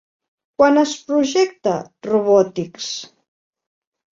Quan es projecta Robotix?